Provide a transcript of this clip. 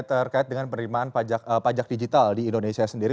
terkait dengan penerimaan pajak digital di indonesia sendiri